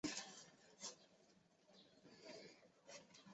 大苞滨藜为藜科滨藜属下的一个变种。